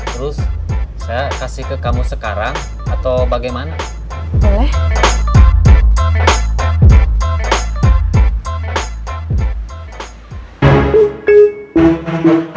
terus saya kasih ke kamu sekarang atau bagaimana